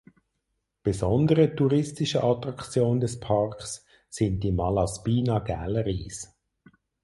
Besondere touristische Attraktion des Parks sind die „Malaspina Galleries“.